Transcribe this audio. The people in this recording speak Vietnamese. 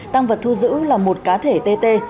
tăng vật thu giữ là một cá thể tê tê